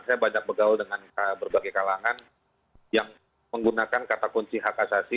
saya banyak begaul dengan berbagai kalangan yang menggunakan kata kunci hak asasi